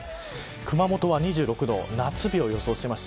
熊本は２６度夏日を予想しています。